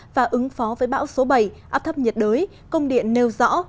và ứng phó với bão số bảy áp thấp nhiệt đới công điện nêu rõ